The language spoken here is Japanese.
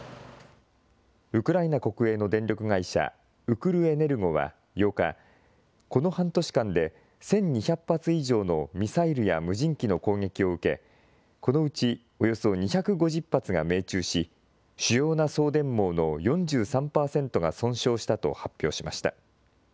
ウクライナ国営の電力会社、ウクルエネルゴは８日、この半年間で１２００発以上のミサイルや無人機の攻撃を受け、このうちおよそ２５０発が命中し、主要な送電網の４３％が損傷したと発表しました。